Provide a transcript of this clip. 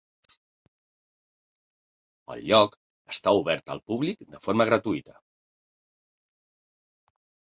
El lloc està obert al públic de forma gratuïta.